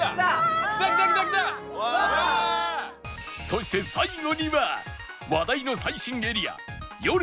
そして最後には話題の最新エリア夜の激